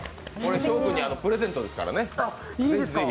紫耀君にプレゼントですからね、ぜひ。